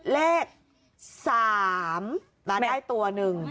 เลข๓ได้ตัวหนึ่ง